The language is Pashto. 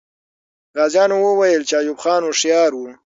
غازیان وویل چې ایوب خان هوښیار وو.